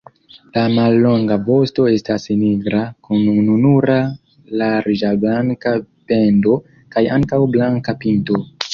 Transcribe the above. La mallonga vosto estas nigra kun ununura larĝa blanka bendo kaj ankaŭ blanka pinto.